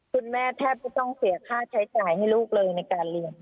คุณแม่แทบจะต้องเสียค่าใช้จ่ายให้ลูกเลยในการเรียน